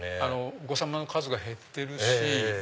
お子さまの数が減ってるし。